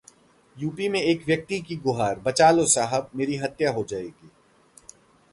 UP में एक व्यक्ति की गुहार, 'बचा लो साहब! मेरी हत्या हो जाएगी'